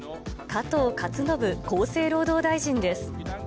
加藤勝信厚生労働大臣です。